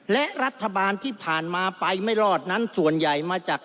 และรัฐบาลที่ผ่านมาไปไม่รอดนั้นส่วนใหญ่มาจาก